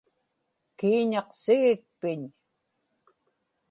kiiñaqsigikpiñ